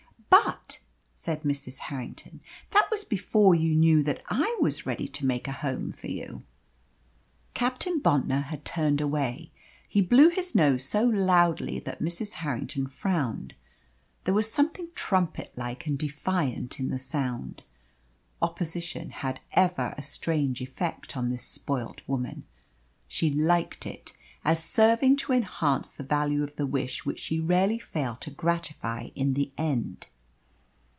"But," said Mrs. Harrington, "that was before you knew that I was ready to make a home for you." Captain Bontnor had turned away. He blew his nose so loudly that Mrs. Harrington frowned. There was something trumpet like and defiant in the sound. Opposition had ever a strange effect on this spoilt woman. She liked it, as serving to enhance the value of the wish which she rarely failed to gratify in the end.